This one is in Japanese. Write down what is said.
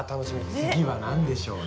次は何でしょうね？